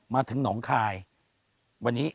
มาถึงหนองคายวันนี้